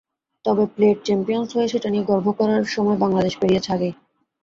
তবে plate champion হয়ে সেটা নিয়ে গর্ব করার সময় বাংলাদেশ পেরিয়েছে আগেই।